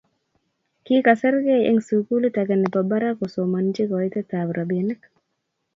Kikaserkei eng sukulitage nebo barak kosoman hi koitetab robinik